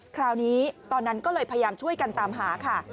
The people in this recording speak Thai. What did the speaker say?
คราวนี้ตอนนั้นก็เลยพยายามช่วยกันตามหาค่ะ